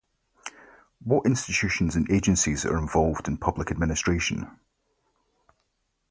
What institutions and agencies are involved in public administration?